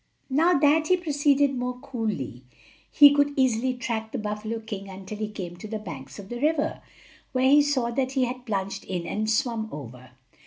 Now that he proceeded more coolly, he could easily track the buffalo king until he came to the banks of the river, where he saw that he had plunged in and swum over.